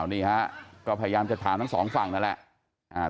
นี่ฮะก็พยายามจะถามทั้งสองฝั่งนั่นแหละ